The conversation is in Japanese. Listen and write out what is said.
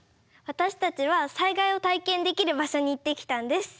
私たちは災害を体験できる場所に行ってきたんです。